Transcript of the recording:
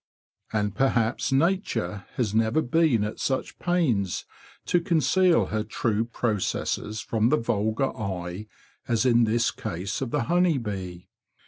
And perhaps nature has never been at such pains to conceal her true processes from the vulgar eye as in this case of the honey bee.